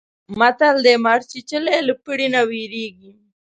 متل دی: مار چیچلی له پړي نه وېرېږي.